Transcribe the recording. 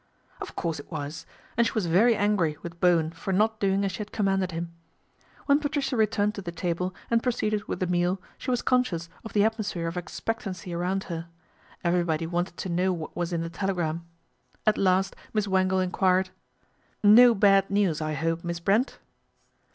Of course it was, and she was very angry with Bowen for not doing as she had commanded him. When Patricia returned to the table and pro ceeded with the meal, she was conscious of the atmosphere of expectancy around her. Every body wanted to know what was in the telegram. At last Miss Wangle enquired, " No bad news I hope, Miss Brent."